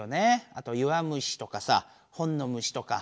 あと弱虫とかさ本の虫とか。